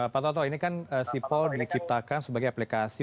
pak toto ini kan sipol diciptakan sebagai aplikasi